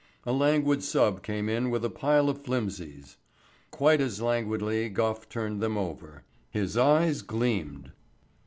A languid sub came in with a pile of flimsies. Quite as languidly Gough turned them over. His eyes gleamed.